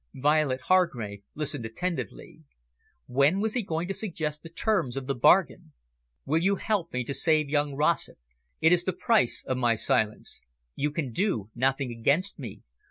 Violet Hargrave listened attentively. When was he going to suggest the terms of the bargain? "Will you help me to save young Rossett? It is the price of my silence. You can do nothing against me.